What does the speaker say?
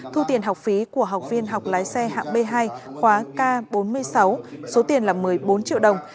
thu tiền học phí của học viên học lái xe hạng b hai khóa k bốn mươi sáu số tiền là một mươi bốn triệu đồng